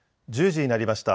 １０時になりました。